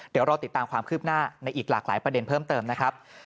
เดี๋ยวรอติดตามความคืบหน้าในอีกหลากหลายประเด็นเพิ่มเติมนะครับ